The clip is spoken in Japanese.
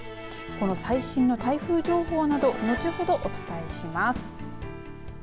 この最新の台風情報など後ほどお伝えします。